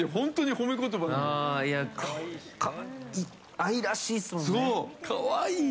愛らしいですもんね。